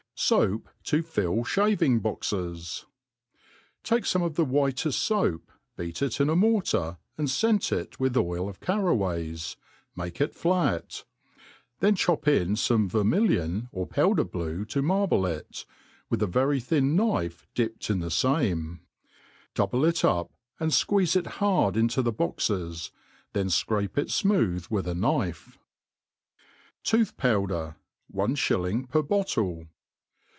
&oap to fill Shaving' Boxes. TAKE fome of the whiteft foap, beat it in a mortar, and fcent it with oil of carraways, make it flat ; then chop in fome vermilion, or powder blue, to marble it, with a very tl^in knife dipt in the fame; double it up, and fquee^^e it hard into tb^ boxes ; then fcrape it fmooth with a knife. ^ Tfioih Powder. — One Shilling per Bottle.